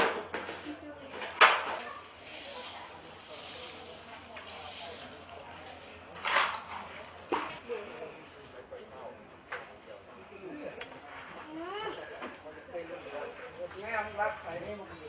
ได้เชิญให้เห็นทางครับ